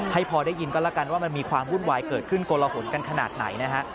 ให้พอได้ยินก็แล้วกันว่ามันมีความวุ่นวายเกิดขึ้นโกลหนกันขนาดไหนนะฮะ